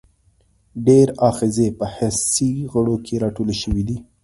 ډیری آخذې په حسي غړو کې راټولې شوي دي.